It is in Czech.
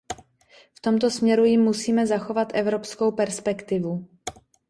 V tomto směru jim musíme zachovat evropskou perspektivu.